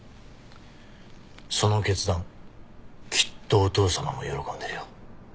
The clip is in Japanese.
その決断きっとお父様も喜んでるよ。